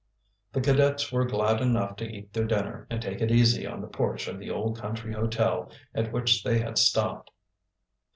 The cadets were glad enough to eat their dinner and take it easy on the porch of the old country hotel at which they had stopped.